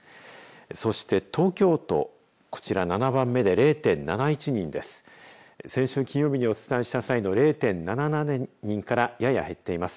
そして東京都、こちら７番目で０．７１人です。